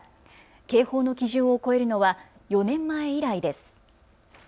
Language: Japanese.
警報の基準を超えるのは４年前以来です。